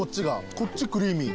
こっちクリーミー。